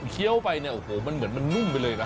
เคี้ยวไปโอ้โฮมันเหมือนแน่นุ่มไปเลยน่ะ